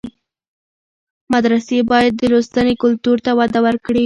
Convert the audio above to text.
مدرسې باید د لوستنې کلتور ته وده ورکړي.